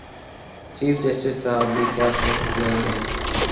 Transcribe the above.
Chief justice صاحب بھی کیا کہہ گئے ہیں؟